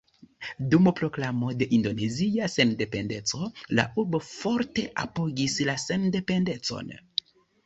Dum proklamo de indonezia sendependeco la urbo forte apogis la sendependecon.